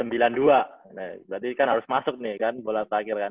berarti kan harus masuk nih kan bola terakhir kan